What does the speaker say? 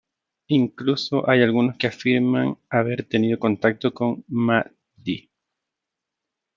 Incluso hay algunos que afirman haber tenido contacto con Mahdi.